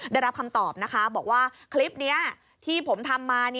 ได้รับคำตอบนะคะบอกว่าคลิปนี้ที่ผมทำมา